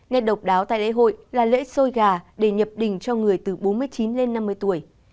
nghe độc đáo tại lễ hội là lễ xôi gà để nhập đỉnh cho người từ bốn mươi chín lên năm mươi tuổi